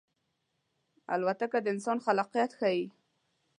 الوتکه د انسان خلاقیت ښيي.